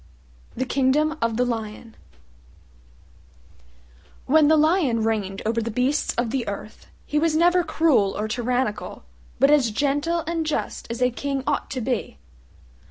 THE KINGDOM OF THE LION When the Lion reigned over the beasts of the earth he was never cruel or tyrannical, but as gentle and just as a King ought to be.